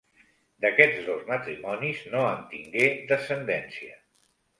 D'aquests dos matrimonis no en tingué descendència.